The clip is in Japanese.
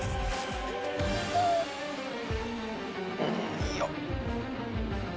・いいよ。